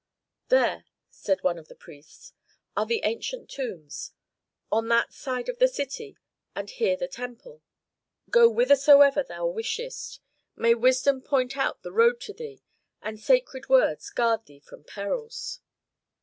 "There," said one of the priests, "are the ancient tombs; on that side is the city, and here the temple. Go whithersoever thou wishest. May wisdom point out the road to thee, and sacred words guard thee from perils."